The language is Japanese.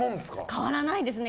変わらないですね。